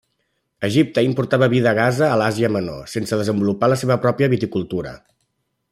Egipte importava vi de Gaza o de l'Àsia Menor sense desenvolupar la seva pròpia viticultura.